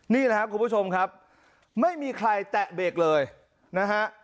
นี่แหละครับคุณผู้ชมครับไม่มีใครแตะเบรกเลยนะฮะ